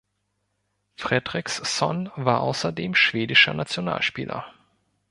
Fredriksson war außerdem schwedischer Nationalspieler.